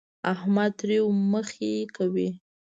احمد تريو مخی کوي.